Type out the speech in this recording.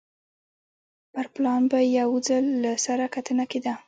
پر پلان به یو ځل له سره کتنه کېده